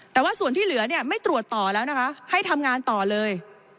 แต่ว่าส่วนที่เหลือเนี่ยไม่ตรวจต่อแล้วนะคะให้ทำงานต่อเลย